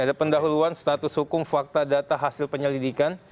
ada pendahuluan status hukum fakta data hasil penyelidikan